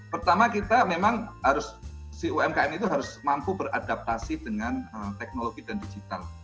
pertama kita memang harus si umkm itu harus mampu beradaptasi dengan teknologi dan digital